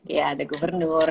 iya ada gubernur